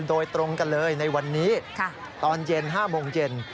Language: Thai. โดยตรงกันเลยในวันนี้ตอนเย็น๕โมงเย็น